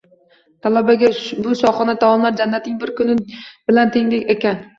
Talabaga bu shohona taomlar jannatning bir kuni bilan tengdek ekan